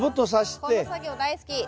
この作業大好き。